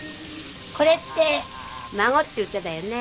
これって「孫」って歌だよね。